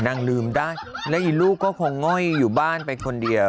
ลืมได้แล้วอีลูกก็คงง่อยอยู่บ้านไปคนเดียว